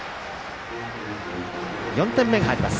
４点目が入ります。